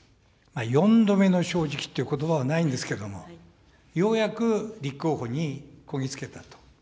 ４度目の正直ということばはないんですけれども、ようやく立候補にこぎ着けたと。